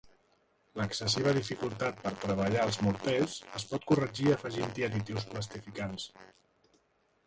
L'excessiva dificultat per treballar els morters es pot corregir afegint-hi additius plastificants.